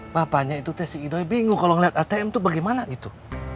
bapaknya itu teh si ido bingung kalau ngeliat atm itu bagaimana gitu